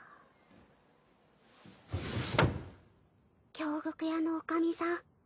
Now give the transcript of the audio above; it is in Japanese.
京極屋の女将さん